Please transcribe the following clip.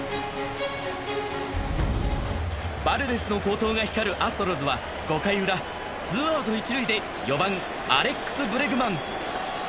バルデスの好投が光るアストロズは、５回ウラ、ツーアウト一塁で４番・アレックス・ブレグマン。